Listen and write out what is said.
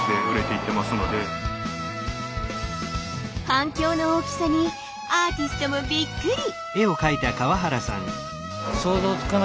反響の大きさにアーティストもびっくり！